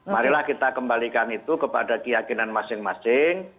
marilah kita kembalikan itu kepada keyakinan masing masing